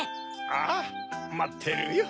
ああまってるよ。